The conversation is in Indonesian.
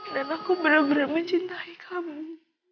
dan aku benar benar mencintai kamu